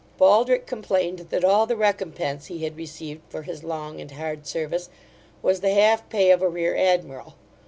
Balderick complained, that all the recompence he had received for his long and hard service, was the half pay of a rear admiral.